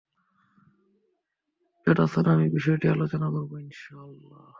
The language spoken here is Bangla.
যথাস্থানে আমি বিষয়টি আলোচনা করব, ইনশাআল্লাহ্।